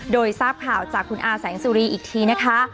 โดยทราบข่าวจากคุณอาแสงสุรีอีกทีนะคะ